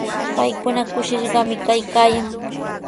Paykuna kushishqami kaykaayan.